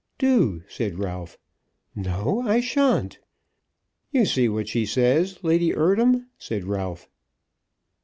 "Do," said Ralph. "No; I shan't." "You see what she says, Lady Eardham," said Ralph.